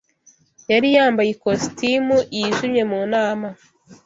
Yari yambaye ikositimu yijimye mu nama